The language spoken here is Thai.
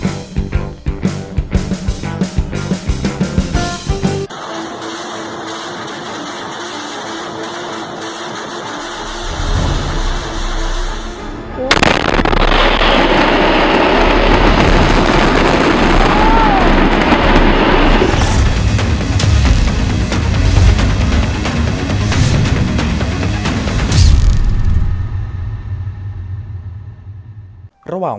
วันที่๒๔สัปดาห์วันที่๒๕สัปดาห์